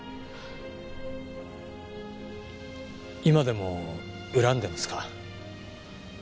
今でも恨んでますか？